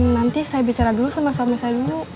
nanti saya bicara dulu sama suami saya dulu